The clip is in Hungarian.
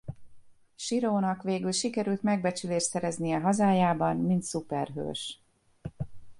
Sirónak végül sikerült megbecsülést szereznie hazájában mint szuperhős.